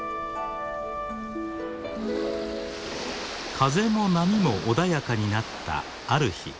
風も波も穏やかになったある日。